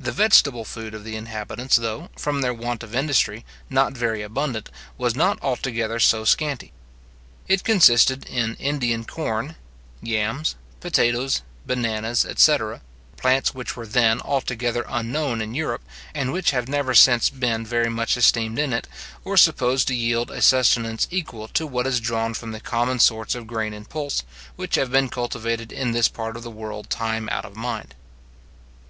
The vegetable food of the inhabitants, though, from their want of industry, not very abundant, was not altogether so scanty. It consisted in Indian corn, yams, potatoes, bananas, etc., plants which were then altogether unknown in Europe, and which have never since been very much esteemed in it, or supposed to yield a sustenance equal to what is drawn from the common sorts of grain and pulse, which have been cultivated in this part of the world time out of mind.